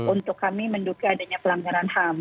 untuk kami menduga adanya pelanggaran ham